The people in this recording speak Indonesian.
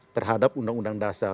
terhadap undang undang dasar